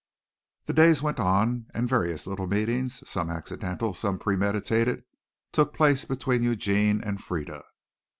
The days went on and various little meetings some accidental, some premeditated took place between Eugene and Frieda.